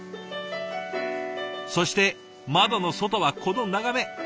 そして窓の外はこの眺め。